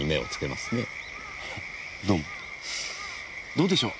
どうでしょう？